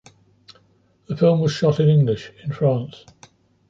The film was shot in English in France.